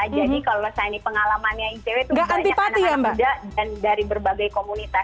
jadi kalau misalnya pengalamannya icw itu berdasarkan anak muda dan dari berbagai komunitas